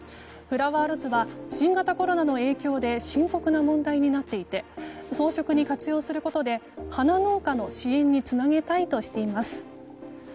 フラワーロスは新型コロナの影響で深刻な問題になっていて装飾に活用することで花農家の支援につなげたいとしています。